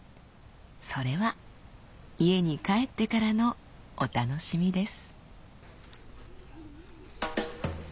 それは家に帰ってからのお楽しみです。